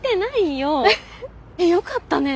よかったね。